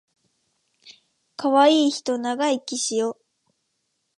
かわいいひと長生きしよ